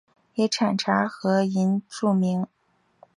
以产茶和银著名。